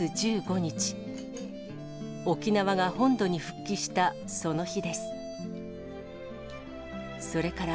沖縄が本土に復帰した、その日です。